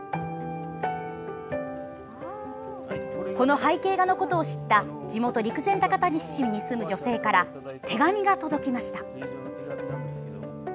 この背景画のことを知った地元・陸前高田市に住む女性から手紙が届きました。